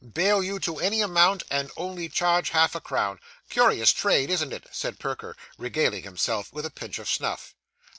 Bail you to any amount, and only charge half a crown. Curious trade, isn't it?' said Perker, regaling himself with a pinch of snuff.